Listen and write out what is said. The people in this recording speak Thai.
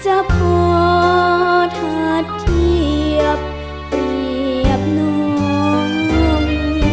จะพอถัดเทียบเปรียบนม